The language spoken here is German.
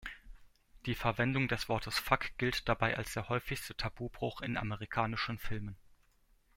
Die Verwendung des Wortes Fuck gilt dabei als der häufigste Tabubruch in amerikanischen Filmen.